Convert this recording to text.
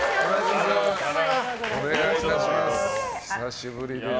久しぶりです。